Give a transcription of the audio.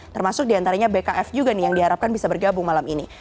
termasuk diantaranya bkf juga nih yang diharapkan bisa bergabung malam ini